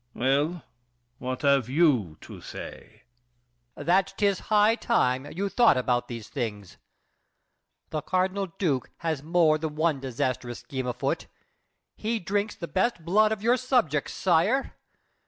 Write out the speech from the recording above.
Well, what have you to say? MARQUIS DE NANGIS. That 'tis high time You thought about these things! The Cardinal Duke Has more than one disastrous scheme afoot. He drinks the best blood of your subjects, sire!